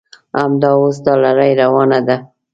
همدا اوس دا لړۍ روانه ده.